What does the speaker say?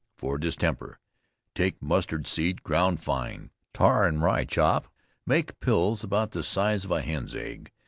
FOR DISTEMPER. Take mustard seed ground fine, tar and rye chop, make pills about the size of a hen's egg.